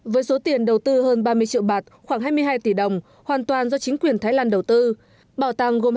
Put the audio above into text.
với số tiền đầu tư hơn ba mươi triệu bạt khoảng hai mươi hai tỷ đồng hoàn toàn do chính quyền thái lan đầu tư